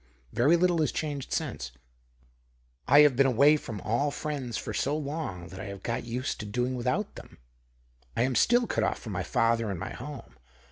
Very little has changed since. I have been away from all friends for so long, that I have got used to doing without them. I am still cut off from my father and my home.